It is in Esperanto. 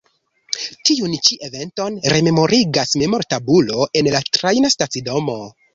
Tiun ĉi eventon rememorigas memortabulo en la trajna stacidomo.